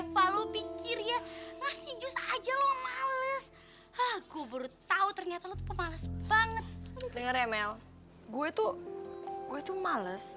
sampai jumpa di video selanjutnya